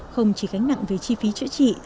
không chỉ gánh nặng về chi phí chữa trị